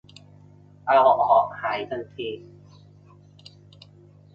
เอาออก หายทันที